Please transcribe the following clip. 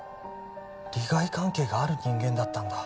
利害関係がある人間だったんだ